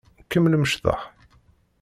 Kemmlem ccḍeḥ.